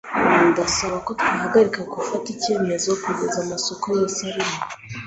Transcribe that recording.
Ndasaba ko twahagarika gufata icyemezo kugeza amasoko yose arimo.